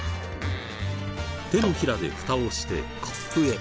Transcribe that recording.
手のひらでフタをしてコップへ。